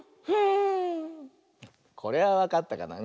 これはわかったかな？